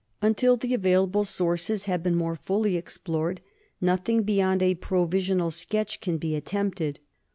Until the available sources have been more fully explored, nothing beyond a provisional sketch can be attempted.